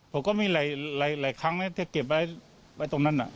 ผมก็มีหลายครั้งนะจะเก็บไว้ตรงนั้น